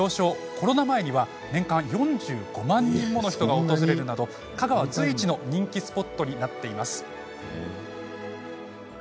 コロナ前には年間４５万人もの人が訪れるなど香川随一の人気スポットになっています。